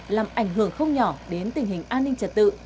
làm ảnh hưởng không nhỏ đến tình hình an ninh trật tự